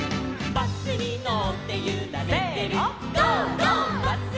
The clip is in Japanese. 「バスにのってゆられてる」